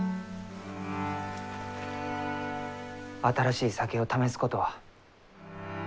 新しい酒を試すことはう